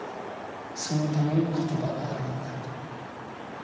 そのために言葉があるんだと。